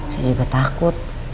saya juga takut